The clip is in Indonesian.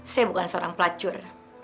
saya bukan seorang pelacur